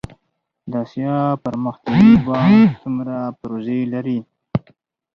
د اسیا پرمختیایی بانک څومره پروژې لري؟